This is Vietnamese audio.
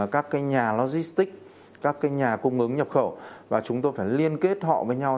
các cái nhà logistics các nhà cung ứng nhập khẩu và chúng tôi phải liên kết họ với nhau